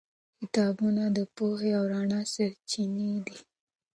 کتابونه د پوهې او رڼا سرچینې دي.